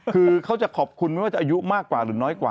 คือเขาจะขอบคุณไม่ว่าจะอายุมากกว่าหรือน้อยกว่า